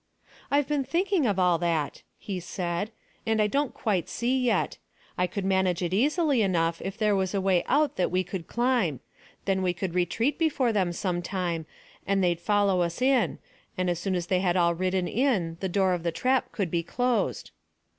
"I've been thinking of all that," he said, "and I don't quite see yet. I could manage it easily enough if there was a way out that we could climb. Then we could retreat before them some time, and they'd follow us in; and as soon as they had all ridden in the door of the trap could be closed."